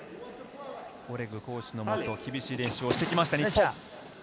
オレグコーチのもと、厳しい練習をしてきました日本。